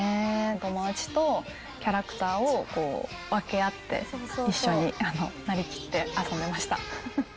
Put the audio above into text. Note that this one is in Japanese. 友達とキャラクターを分け合って、一緒になりきって遊んでました。